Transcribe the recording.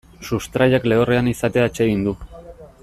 Sustraiak lehorrean izatea atsegin du.